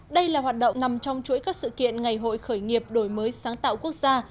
đây là hoạt động nằm trong chuỗi các sự kiện ngày hội khởi nghiệp đổi mới sáng tạo quốc gia